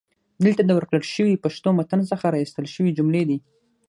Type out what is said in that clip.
دلته د ورکړل شوي پښتو متن څخه را ایستل شوي جملې دي: